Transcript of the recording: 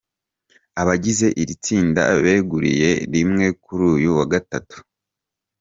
Abagize iri tsinda beguriye rimwe kuri uyu wa Gatatu.